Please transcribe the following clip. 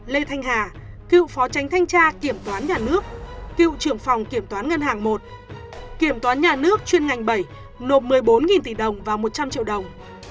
lê thanh hà cựu phó tránh thanh tra kiểm toán nhà nước cựu trưởng phòng kiểm toán ngân hàng một kiểm toán nhà nước chuyên ngành bảy nộp một mươi bốn tỷ đồng và một trăm linh triệu đồng